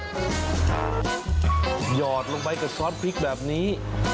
หยอดลงไปกับซอสพริกแบบนี้